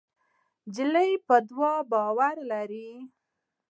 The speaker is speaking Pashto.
نجلۍ په دعا باور لري.